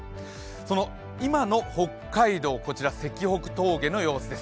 その今の北海道、こちら石北峠の様子です。